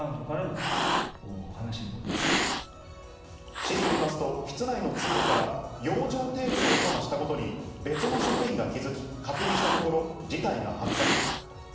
市によりますと、室内の通路から養生テープの音がしたことに別の職員が気づき、確認したところ、事態が発覚。